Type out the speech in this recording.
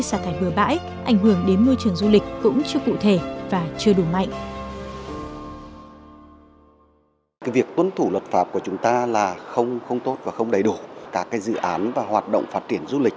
sản thải bừa bãi ảnh hưởng đến môi trường du lịch cũng chưa cụ thể